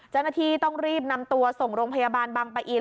เจ้าหน้าที่ต้องรีบนำตัวส่งโรงพยาบาลบางปะอิน